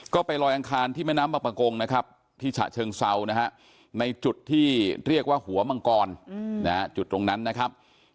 ก็ไปลอยอังคารที่แม่น้ำบางประกงนะครับที่ฉะเชิงเซานะฮะในจุดที่เรียกว่าหัวมังกรจุดตรงนั้นนะครับ